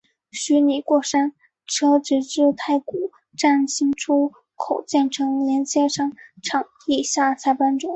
虚拟过山车直至太古站新出口建成连接商场地下才搬走。